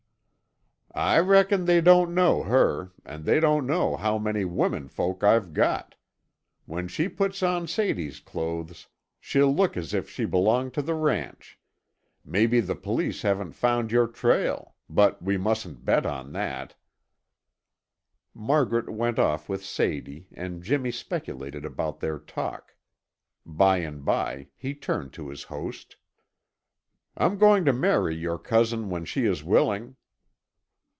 "I reckon they don't know her, and they don't know how many womenfolk I've got. When she puts on Sadie's clothes, she'll look as if she belonged to the ranch. Maybe the police haven't found your trail; but we mustn't bet on that." Margaret went off with Sadie and Jimmy speculated about their talk. By and by he turned to his host. "I'm going to marry your cousin when she is willing."